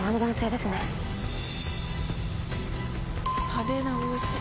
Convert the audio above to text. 派手な帽子。